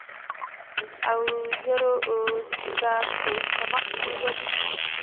اوو زرو اوزبیکو په مخ کې ولیک.